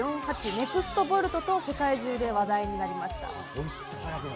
ネクスト・ボルトと世界中で話題になりました。